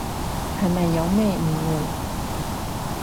係咪有咩誤會？